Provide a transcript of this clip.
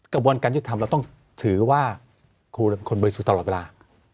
กระบวนการยุทธธรรมเราต้องถือว่าครูเป็นคนบริสุทธิ์ตลอดเวลา